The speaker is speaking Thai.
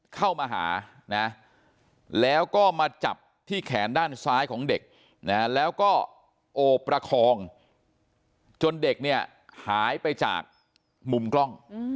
เข้ามาหานะแล้วก็มาจับที่แขนด้านซ้ายของเด็กนะแล้วก็โอบประคองจนเด็กเนี่ยหายไปจากมุมกล้อง